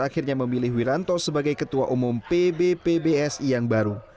akhirnya memilih wiranto sebagai ketua umum pb pbsi yang baru